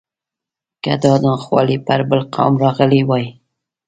که دا ناخوالې پر بل قوم راغلی وای.